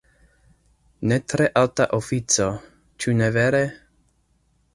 Ne tre alta ofico, ĉu ne vere?